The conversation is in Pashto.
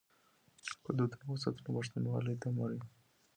که دودونه وساتو نو پښتونوالي نه مري.